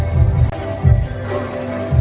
สโลแมคริปราบาล